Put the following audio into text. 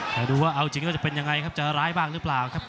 แต่ดูว่าเอาจริงแล้วจะเป็นยังไงครับจะร้ายบ้างหรือเปล่าครับ